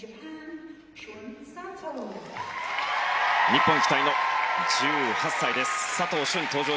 日本期待の１８歳佐藤駿。